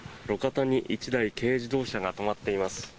路肩に１台軽自動車が止まっています。